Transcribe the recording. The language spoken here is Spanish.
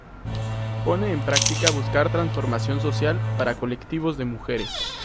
Pone en práctica buscar transformación social para colectivos de mujeres.